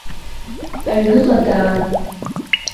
Аҩныҟа даан.